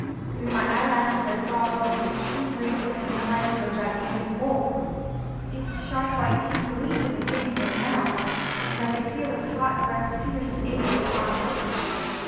Through my eyelashes I saw above me the two great flaming eyes of a gigantic wolf. Its sharp white teeth gleamed in the gaping red mouth, and I could feel its hot breath fierce and acrid upon me.